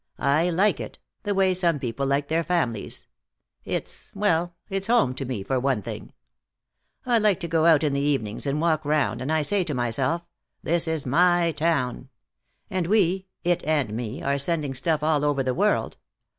I like it, the way some people like their families. It's well, it's home to me, for one thing. I like to go out in the evenings and walk around, and I say to myself: 'This is my town.' And we, it and me, are sending stuff all over the world.